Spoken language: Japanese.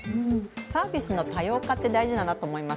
サービスの多様化って大事だなと思います。